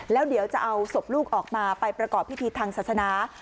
แล้วเดี๋ยวจะเอาศพลูกออกมาไปประกอบพิธีทางศาสนา